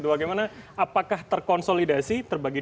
apakah terkonsolidasi terbagi